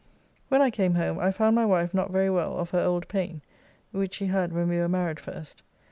When I came home I found my wife not very well of her old pain.... which she had when we were married first.